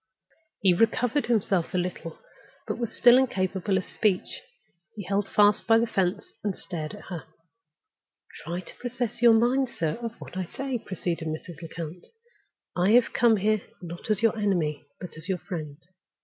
He recovered himself a little, but he was still incapable of speech. He held fast by the fence, and stared at her. "Try to possess your mind, sir, of what I say," proceeded Mrs. Lecount. "I have come here not as your enemy, but as your friend.